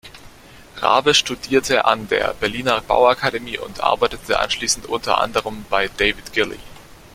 Rabe studierte an der Berliner Bauakademie und arbeitete anschließend unter anderem bei David Gilly.